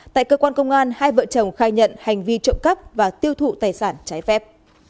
tại cơ quan công an hai vợ chồng khai nhận hành vi trộm cắp và tiêu thụ tài sản trái phép